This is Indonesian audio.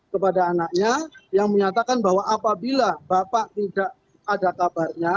kepada anaknya yang menyatakan bahwa apabila bapak tidak ada kabarnya